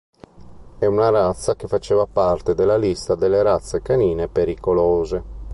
È una razza che faceva parte della lista delle razze canine pericolose.